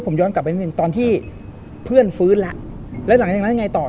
ผมย้อนกลับไปนิดหนึ่งตอนที่เพื่อนฟื้นแล้วแล้วหลังจากนั้นยังไงต่อ